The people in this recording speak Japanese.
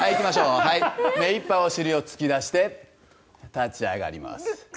目いっぱいお尻を突き出して立ち上がります。